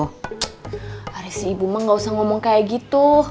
tsk hari si ibu mah nggak usah ngomong kayak gitu